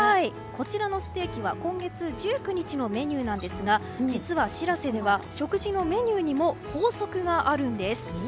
こちらのステーキは今月１９日のメニューですが実は「しらせ」では食事のメニューにも法則があるんです。